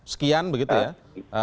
sekian begitu ya